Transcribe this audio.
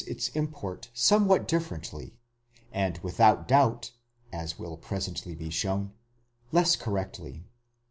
its import somewhat differently, and without doubt, as will presently be shown, less correctly.